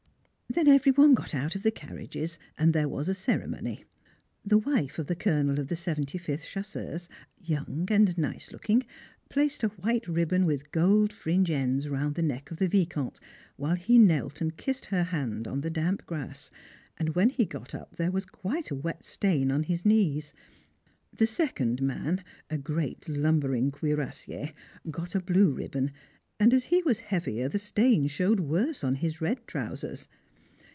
Then every one got out of the carriages and there was a ceremony. The wife of the Colonel of the 75th chasseurs (young and nice looking) placed a white ribbon with gold fringe ends round the neck of the Vicomte, while he knelt and kissed her hand on the damp grass, and when he got up there was quite a wet stain on his knees. The second man a great lumbering cuirassier got a blue ribbon, and as he was heavier the stain showed worse on his red trousers.